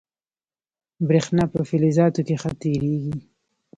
برېښنا په فلزاتو کې ښه تېرېږي.